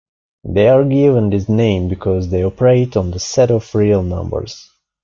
They are given this name because they operate on the set of real numbers.